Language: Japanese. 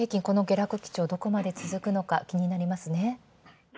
この下落基調、どこまで続くのか気になりますね。